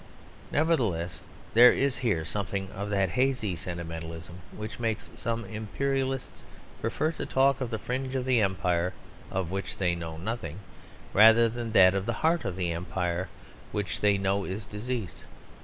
Nevertheless there is here something of that hazy sentimentalism which makes some Imperialists prefer to talk of the fringe of the empire of which they know nothing, rather than of the heart of the empire which they know is diseased.